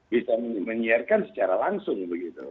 bisa menyiarkan secara langsung begitu